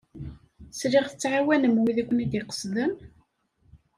Sliɣ tettɛawanem wid i ken-id-iqesden?